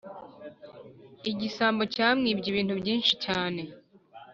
igisambo cyamwibye ibintu byinshi cyane.